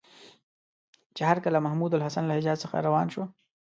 چې هرکله محمودالحسن له حجاز څخه روان شي.